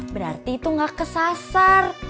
berarti itu gak kesasar